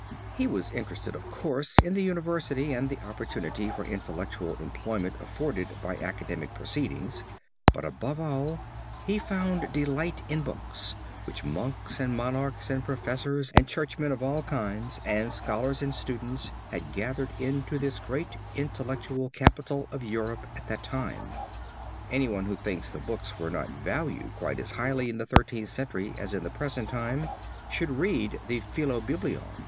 He was interested, of course, in the University and the opportunity for intellectual employment afforded by Academic proceedings, but above all he found delight in books, which monks and monarchs and professors and churchmen of all kinds and scholars and students had gathered into this great intellectual capital of Europe at that time. Anyone who thinks the books were not valued quite as highly in the Thirteenth Century as at the present time should read the Philobiblon.